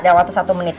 dari waktu satu menit